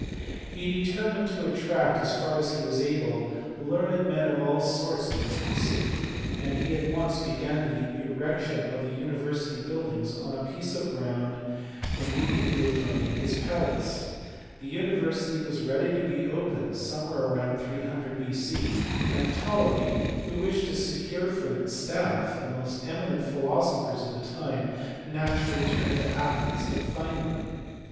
he determined to attract, as far as he was able, learned men of all sorts to his new city; and he at once began the erection of the university buildings on a piece of ground immediately adjoining his palace. The university was ready to be opened somewhere about 300 B.C., and Ptolemy, who wished to secure for its staff the most eminent philosophers of the time, naturally turned to Athens to find them.